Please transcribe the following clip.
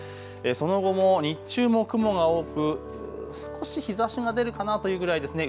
その後も日中も雲が多く少し日ざしが出るかなというぐらいですね。